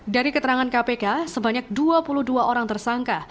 dari keterangan kpk sebanyak dua puluh dua orang tersangka